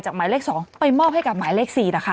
หมายเลข๒ไปมอบให้กับหมายเลข๔นะคะ